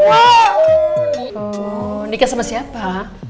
itu nikah sama siapa